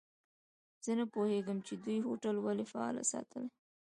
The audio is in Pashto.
زه نه پوهیږم چي دوی هوټل ولي فعال ساتلی.